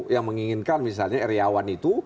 yang menginginkan misalnya iryawan itu